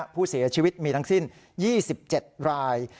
ผู้เสียชีวิตมีทั้งสิ้น๒๗ราย